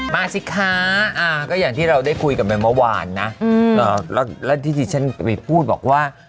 สิคะก็อย่างที่เราได้คุยกันไปเมื่อวานนะแล้วที่ที่ฉันไปพูดบอกว่า